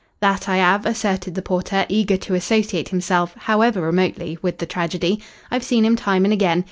"That I 'ave," asserted the porter, eager to associate himself, however remotely, with the tragedy. "I've seen him time and again.